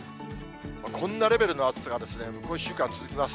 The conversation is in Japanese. こんなレベルの暑さが向こう１週間続きます。